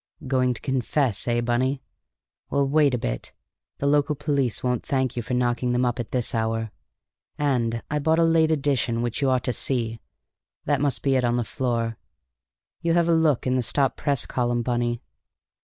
"Going to confess, eh, Bunny? Well, wait a bit; the local police won't thank you for knocking them up at this hour. And I bought a late edition which you ought to see; that must be it on the floor. You have a look in the stop press column, Bunny."